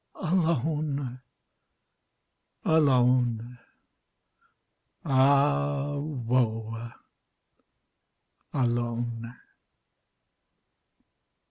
Alone, alone, ah woe! alone!